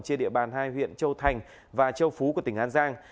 trên địa bàn hai huyện châu thành và châu phú của tỉnh an giang